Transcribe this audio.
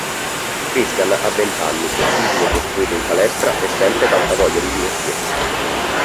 Christian ha vent'anni, un fisico costruito in palestra e sempre tanta voglia di divertirsi.